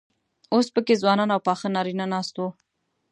اوس پکې ځوانان او پاخه نارينه ناست وو.